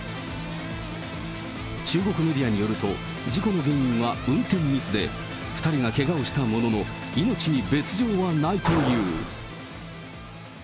中国メディアによると、事故の原因は運転ミスで、２人がけがをしたものの、命に別状はないという。